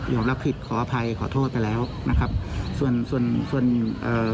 รับผิดขออภัยขอโทษไปแล้วนะครับส่วนส่วนส่วนเอ่อ